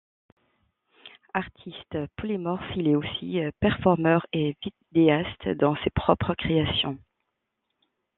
Artiste polymorphe, il est aussi performeur et vidéaste dans ses propres créations.